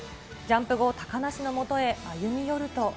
ジャンプ後、高梨のもとへ歩み寄ると。